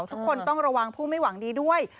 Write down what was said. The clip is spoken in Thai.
ทุกคนต้องระวังผู้ไม่หวังดีด้วย